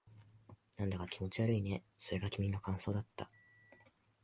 なんだか気持ち悪いね。それが君の感想だった。